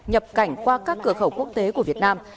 nhập cảnh qua các cửa khẩu quốc tế của việt nam